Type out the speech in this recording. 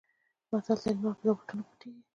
متل دی: لمر په دوو ګوتو نه پټېږي.